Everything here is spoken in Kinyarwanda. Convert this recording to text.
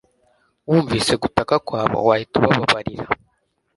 wumvise gutaka kwabo, wahita ubababarira